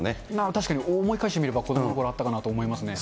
確かに、思い返してみれば子どものころあったかなと思いますね。